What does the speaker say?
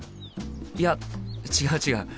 いや違う違う。